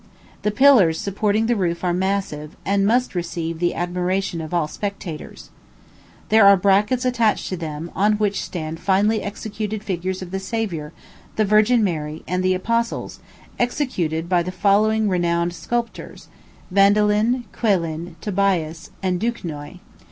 The pillars supporting the roof are massive, and must receive the admiration of all spectators. There are brackets attached to them, on which stand finely executed figures of the Savior, the Virgin Mary, and the Apostles, executed by the following renowned sculptors: Vandelyn, Quellyn, Tobias, and Duquesnoy.